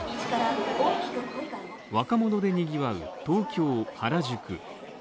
若者でにぎわう東京・原宿。